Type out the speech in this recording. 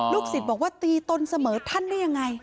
ศิษย์บอกว่าตีตนเสมอท่านได้ยังไง